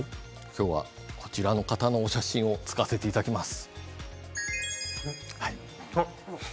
こちらの方のお写真を使わせていただきます。